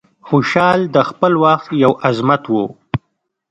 خوشحال د خپل وخت یو عظمت و.